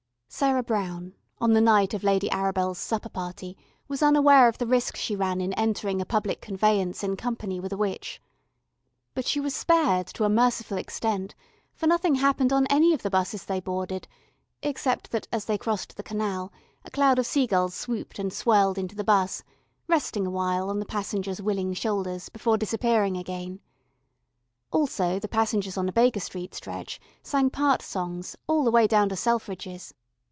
Sarah Brown, on the night of Lady Arabel's supper party, was unaware of the risk she ran in entering a public conveyance in company with a witch. But she was spared to a merciful extent, for nothing happened on any of the 'buses they boarded, except that, as they crossed the Canal, a cloud of sea gulls swooped and swirled into the 'bus, resting awhile on the passengers' willing shoulders before disappearing again. Also the passengers on the Baker Street stretch sang part songs, all the way down to Selfridge's.